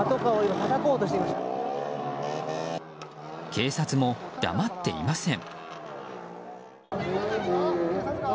警察も黙っていません。